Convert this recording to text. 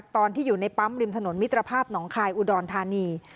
ตอนที่อยู่ในปั๊มริมถนนมิตรภาพหนองคายอุดรธานี